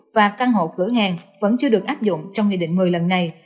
và căn hộ cửa hàng vẫn chưa được áp dụng trong nghị định một mươi lần này